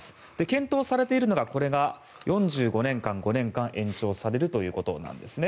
検討されているのがこれが４５年間で５年間延長されるということです。